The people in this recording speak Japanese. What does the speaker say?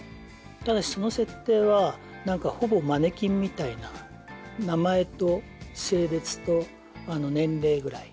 ただしその設定はほぼマネキンみたいな名前と性別と年齢ぐらい。